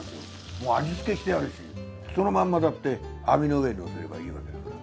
もう味付けしてあるしそのまんまだって網の上乗せればいいわけだから。